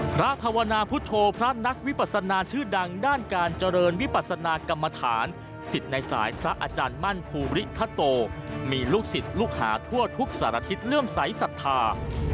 ภาวนาพุทธพระนักวิปัสนาชื่อดังด้านการเจริญวิปัสนากรรมฐานสิทธิ์ในสายพระอาจารย์มั่นภูริคโตมีลูกศิษย์ลูกหาทั่วทุกสารทิศเลื่อมใสสัทธา